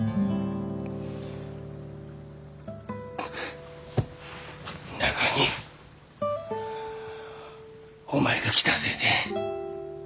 はあなのにお前が来たせいで。